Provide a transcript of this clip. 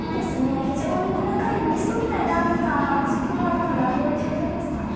非常に細かいミストみたいな雨か、もしくは今やんでいる状況ですかね。